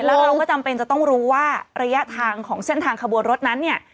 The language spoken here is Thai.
แล้วเราก็จำเป็นจะต้องรู้ว่าระยะทางของเส้นทางขบวนรถนั้นเนี่ย